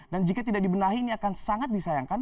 dan jika tidak dibenahi ini akan sangat disayangkan